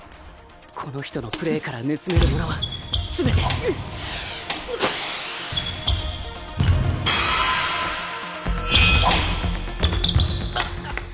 この人のプレーから盗めるものは全てあ。